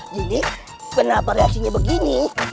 jinny kenapa reaksinya begini